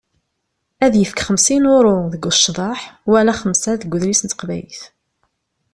Ad yefk xemsin uṛu deg ccḍeḥ wala xemsa deg udlis n teqbaylit.